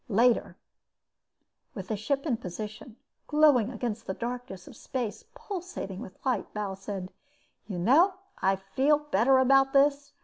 Later, with the ship in position, glowing against the darkness of space, pulsating with light, Bal said: "You know, I feel better about this.